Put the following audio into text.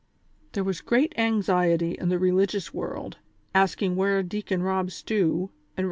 There was great anxiety in the religious world, asking where Deacon Kob Stew and Eev.